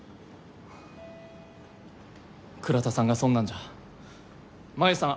倉田さんがそんなんじゃ真夢さん